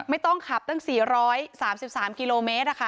ไม่ต้องขับตั้ง๔๓๓กิโลเมตร